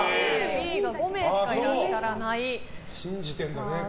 Ｂが５名しかいらっしゃらない。